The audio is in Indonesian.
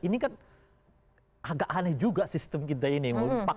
ini kan agak aneh juga sistem kita ini